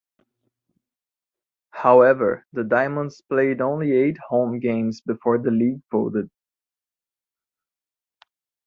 However, the Diamonds played only eight home games before the league folded.